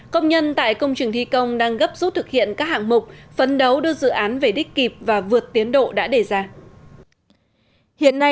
công nhân tại công trường thi công đang gấp rút thực hiện các hạng mục phấn đấu đưa dự án về đích kịp và vượt tiến độ đã đề ra